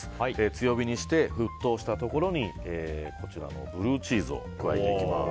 強火にして沸騰したところにブルーチーズを加えていきます。